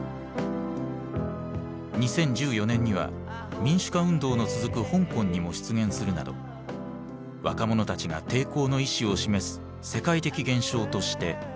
２０１４年には民主化運動の続く香港にも出現するなど若者たちが抵抗の意思を示す世界的現象として広がっていく。